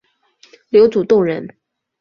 刘祖洞人。